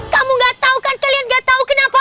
kamu gak tau kan kalian gak tau kenapa